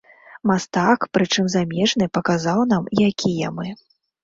Мастак, прычым замежны, паказаў нам, якія мы.